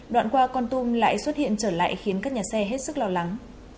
đoạn qua con tum lại xuất hiện trở lại khiến các nhà xe hết sức lo lắng